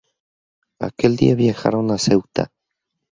Aquel día viajaron a Ceuta.